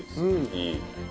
いい。